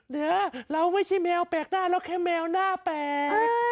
เดี๋ยวเราไม่ใช่แมวแปลกหน้าเราแค่แมวหน้าแปลก